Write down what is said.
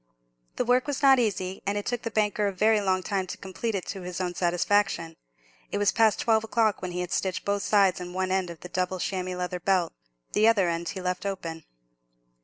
The work was not easy, and it took the banker a very long time to complete it to his own satisfaction. It was past twelve o'clock when he had stitched both sides and one end of the double chamois leather belt; the other end he left open.